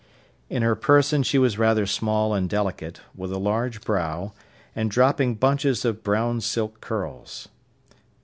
In her person she was rather small and delicate, with a large brow, and dropping bunches of brown silk curls.